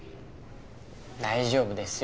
大丈夫ですよ。